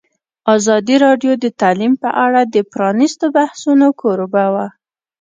ازادي راډیو د تعلیم په اړه د پرانیستو بحثونو کوربه وه.